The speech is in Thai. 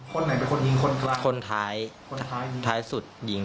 คนไหนเป็นคนยิงคนท้ายคนท้ายท้ายสุดยิง